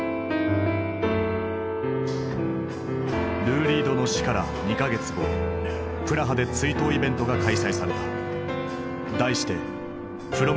ルー・リードの死から２か月後プラハで追悼イベントが開催された。